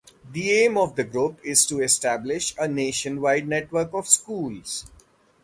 The aim of the group is to establish a nationwide network of schools.